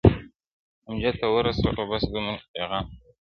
امجد ته ورسوه بس دومره پېغام هلکه